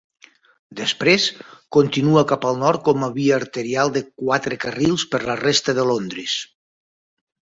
Després, continua cap al nord com a via arterial de quatre carrils per la resta de Londres.